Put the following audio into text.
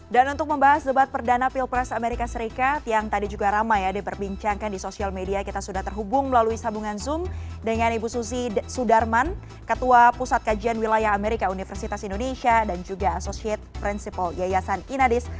dan untuk membahas debat perdana pilpres amerika serikat yang tadi juga ramai ya diperbincangkan di sosial media kita sudah terhubung melalui sambungan zoom dengan ibu suzy sudarman ketua pusat kajian wilayah amerika universitas indonesia dan juga associate principal yayasan inadis